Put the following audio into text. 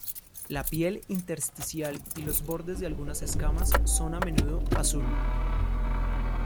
La piel intersticial y los bordes de algunas escamas son a menudo azul.